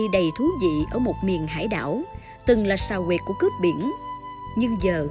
quá đổi yên bình